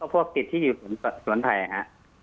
พวกติดที่อยู่สวนไผ่ฮะ